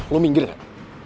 lo minggir gak